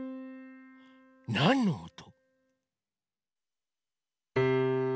なんのおと？